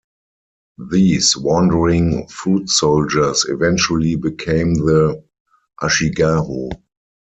These wandering foot soldiers eventually became the "ashigaru".